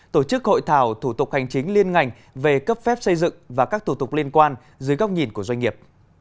tổ chức hội thảo thủ tục hành chính liên ngành về cấp phép xây dựng và các thủ tục liên quan dưới góc nhìn của doanh nghiệp